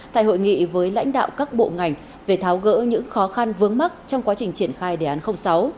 tại hội nghị với lãnh đạo các bộ ngành về tháo gỡ những khó khăn vướng mắt trong quá trình triển khai đề án sáu